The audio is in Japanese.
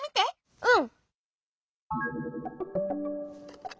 うん。